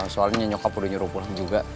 soalnya nyokap udah nyuruh pulang juga